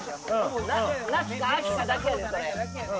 夏か秋かだけやでそれ。